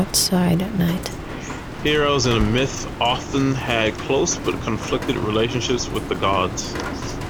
Heroes in myth often had close but conflicted relationships with the gods.